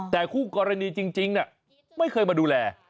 แต่คู่กรณีจริงไม่เคยมาดูแล